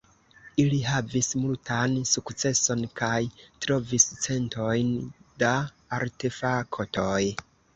Ili havis multan sukceson kaj trovis centojn da artefaktoj.